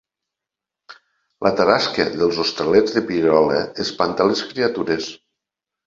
La tarasca dels Hostalets de Pierola espanta les criatures